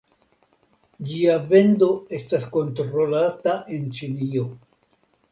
Ĝia vendo estas kontrolata en Ĉinio.